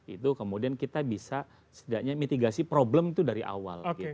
itu kemudian kita bisa setidaknya mitigasi problem itu dari awal